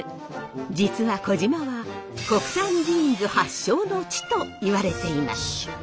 実は児島は国産ジーンズ発祥の地といわれています。